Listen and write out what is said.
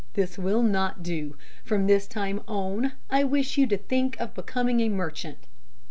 This will not do. From this time on I wish you to think of becoming a merchant.